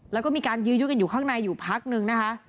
แล้วก็มีการยื้อยุดกันอยู่ข้างในอยู่พักนึงนะคะ